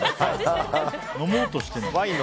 飲もうとしてるの？」